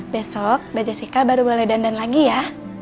besok mbak jessica baru boleh dandan lagi ya